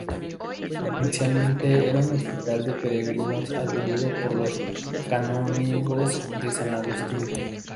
Inicialmente era un hospital de peregrinos atendido por los canónigos de San Agustín.